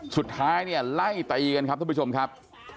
สุดท้ายเนี่ยไล่ตีกันครับท่านผู้ชมครับ